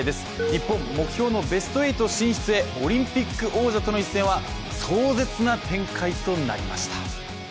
日本、目標のベスト８進出へ、オリンピック王者との一戦は壮絶な展開となりました。